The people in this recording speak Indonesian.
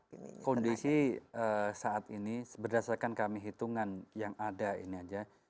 kondisi saat ini berdasarkan kami hitungan yang ada ini aja